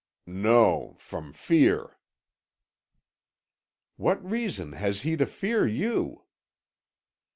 "No, from fear." "What reason has he to fear you?"